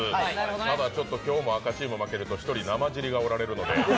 ただ、今日赤チームが負けると１人、生尻がおられるので。